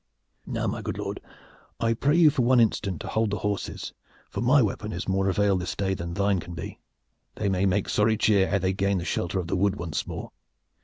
Now, my good lord, I pray you for one instant to hold the horses, for my weapon is of more avail this day, than thine can be. They may make sorry cheer ere they gain the shelter of the wood once more."